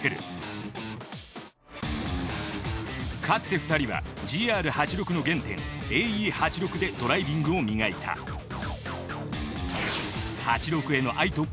かつて２人はＧＲ８６の原点ＡＥ８６でドライビングを磨いた濃い？